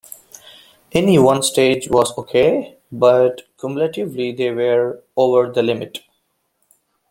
Any one stage was okay, but cumulatively they were over the limit.